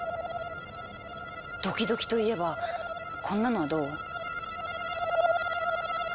ドキドキといえばこんなのはどう？